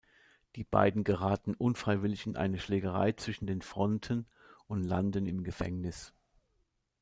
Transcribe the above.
Die beiden geraten unfreiwillig in eine Schlägerei zwischen den Fronten und landen im Gefängnis.